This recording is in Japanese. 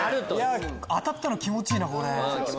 当たったら気持ちいいこれ。